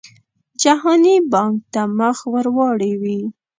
جهاني بانک ته مخ ورواړوي.